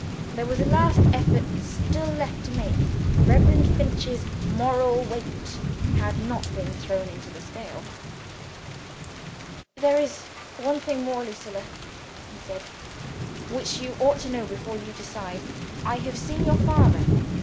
There was a last effort still left to make. Reverend Finch's "moral weight" had not been thrown into the scale yet. "There is one thing more, Lucilla," he said, "which you ought to know before you decide. I have seen your father.